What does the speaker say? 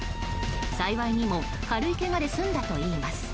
幸いにも軽いけがで済んだといいます。